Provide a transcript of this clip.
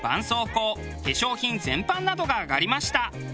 そうこう化粧品全般などが挙がりました。